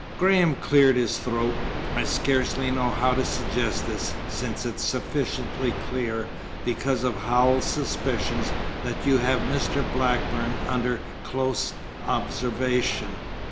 Graham cleared his throat. "I scarcely know how to suggest this, since it is sufficiently clear, because of Howells's suspicions, that you have Mr. Blackburn under close observation.